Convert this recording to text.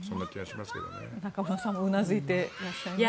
中室さんもうなずいていらっしゃいますが。